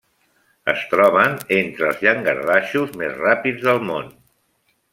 Es troben entre els llangardaixos més ràpids del món.